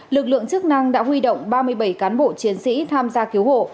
lực lượng chức năng đã huy động ba mươi bảy cán bộ chiến sĩ tham gia cứu hộ